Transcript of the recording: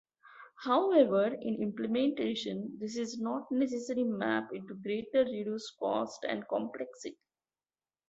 However, in implementation this does not necessarily map into greater reduced cost and complexity.